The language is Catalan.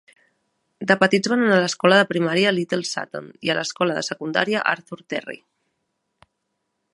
De petits van anar a l'Escola de Primària Little Sutton i a l'Escola de Secundària Arthur Terry.